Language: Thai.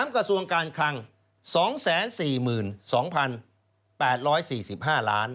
กระทรวงการคลัง๒๔๒๘๔๕ล้าน